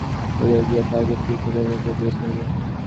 চারি দিকের গুরুভার সংসার লঘু হইয়া গিয়া তাঁহাকে পীড়ন করিতে বিরত হইল।